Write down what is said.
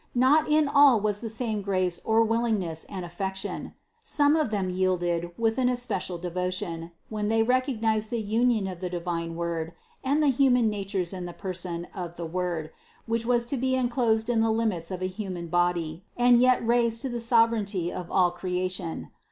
Not in all was the same grace or willingness and affection. Some of them yielded with an especial devotion, when they recognized the union of the divine and the human natures in the person of the Word, which was to be enclosed in the limits of a human body and yet raised to the sovereignty of all creation.